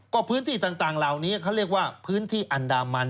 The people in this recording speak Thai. ก็พื้นที่ต่างเหล่านี้เขาเรียกว่าพื้นที่อันดามัน